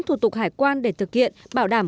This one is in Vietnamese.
thủ tục hải quan để thực hiện bảo đảm